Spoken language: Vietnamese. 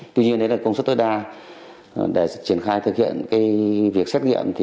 tuy nhiên đấy là công suất tối đa để triển khai thực hiện việc xét nghiệm